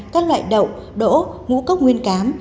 các loại đậu đỗ ngũ cốc nguyên cám